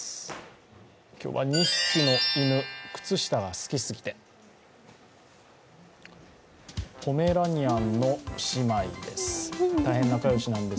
今日は、２匹の犬、靴下が好きすぎてポメラニアンの姉妹です。